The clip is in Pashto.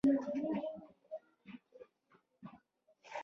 د منځني ختیځ په اړه وروستۍ مخبېلګه د پام وړ ده.